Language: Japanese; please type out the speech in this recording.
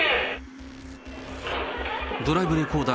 ドライブレコーダー、